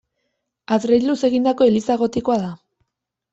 Adreiluz egindako eliza gotikoa da.